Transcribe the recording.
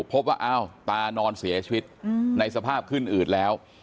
พบว่าตานอนเสียชีวิตประกอบนึงในสภาพขึ้นอืดแล้ว